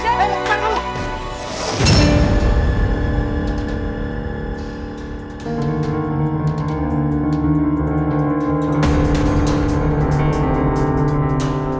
nah berarti nya tuh